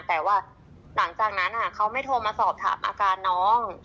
แต่ว่าหลังจากนั้นเขาไม่โทรมาสอบถามอาการน้อง